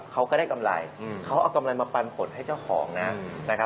เขาก็ได้กำไรเขาเอากำไรมาปันผลให้เจ้าของนะครับ